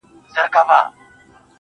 • راته ستا حال راكوي.